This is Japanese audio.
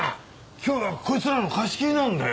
今日はこいつらの貸し切りなんだよ。